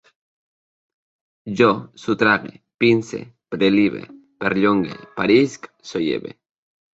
Jo sotrague, pince, prelibe, perllongue, parisc, solleve